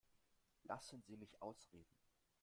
Lassen Sie mich ausreden.